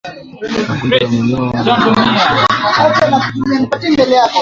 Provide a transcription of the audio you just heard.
Magonjwa ya Minyoo na kuharisha kwa Ndama yameangaziwa hapa